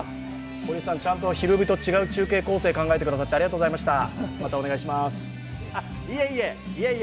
堀内さん、ちゃんと「ひるおび！」と違う中継構成考えてくださって、ありがとうございました。